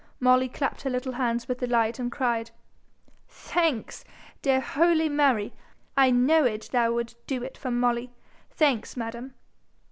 Molly clapped her little hands with delight and cried, 'Thanks, dear holy Mary! I knowed thou would do it for Molly. Thanks, madam!'